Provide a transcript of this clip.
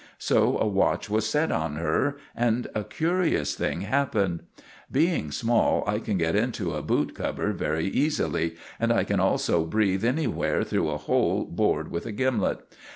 So a watch was set on her, and a curious thing happened. Being small, I can get into a boot cupboard very easily, and I can also breathe anywhere through a hole bored with a gimlet.